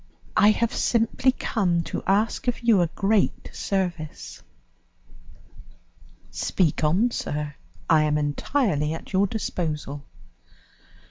I have simply come to ask of you a great service." "Speak on, sir, I am entirely at your disposal."